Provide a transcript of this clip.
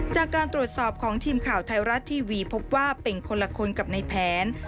จากการตรวจสอบของทีมข่าวไทยรัฐทีวีพบว่าเป็นคนละคนกับในแผน